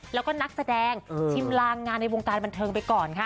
แล้วก็นักแสดงชิมลางงานในวงการบันเทิงไปก่อนค่ะ